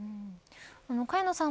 萱野さん